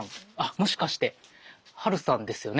もしかしてハルさんですよね？